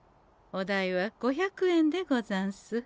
お代は５００円でござんす。